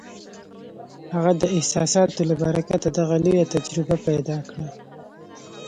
هغه د احساساتو له برکته دغه لویه تجربه پیدا کړه